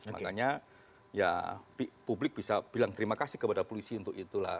makanya ya publik bisa bilang terima kasih kepada polisi untuk itulah